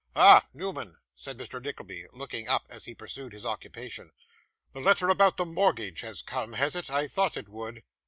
'Ah! Newman,' said Mr. Nickleby, looking up as he pursued his occupation. 'The letter about the mortgage has come, has it? I thought it would.